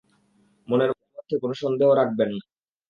মনের মধ্যে কোনো সন্দেহ রাখবেন না।